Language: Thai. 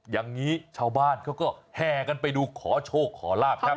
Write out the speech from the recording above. อย่างนี้ชาวบ้านเขาก็แห่กันไปดูขอโชคขอลาบครับ